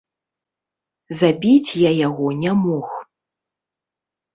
Забіць я яго не мог.